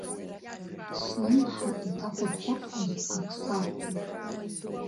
Слымҳа иҭахәыҭхәыҭуаз ак сарҳәеит.